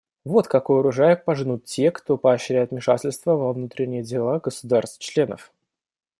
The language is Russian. Вот какой урожай пожнут те, кто поощряет вмешательство во внутренние дела государств-членов.